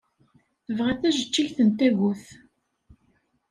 Tebɣa tajeǧǧigt n tagut.